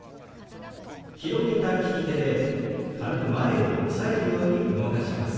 広げた利き手で軽く前を押さえるように動かします。